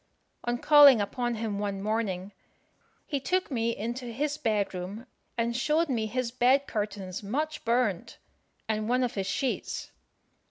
On calling upon him one morning, he took me into his bed room, and showed me his bed curtains much burnt, and one of his sheets.